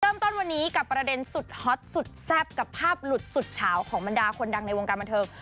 เริ่มต้นวันนี้กับประเด็นสุดฮอตสุดแซ่บกับภาพหลุดสุดเฉาของบรรดาคนดังในวงการบันเทิง